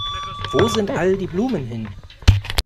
Wo sind all die Blumen hin?